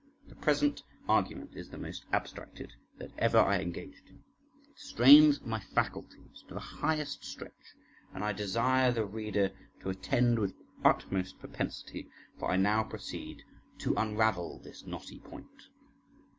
The present argument is the most abstracted that ever I engaged in; it strains my faculties to their highest stretch, and I desire the reader to attend with utmost perpensity, for I now proceed to unravel this knotty point.